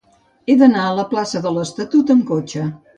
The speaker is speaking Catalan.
He d'anar a la plaça de l'Estatut amb cotxe.